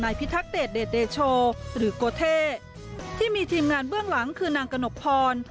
พิทักเดชเดชเดโชหรือโกเท่ที่มีทีมงานเบื้องหลังคือนางกระหนกพร